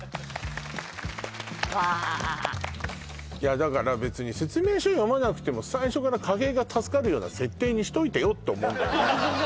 だから別に説明書読まなくても最初から家計が助かるような設定にしといてよって思うんだよね